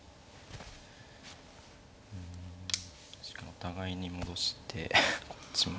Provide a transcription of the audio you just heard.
お互いに戻してこっちも。